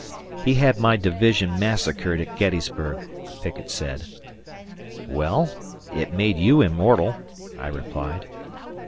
"He had my division massacred at Gettysburg," Pickett said. "Well, it made you immortal," I replied.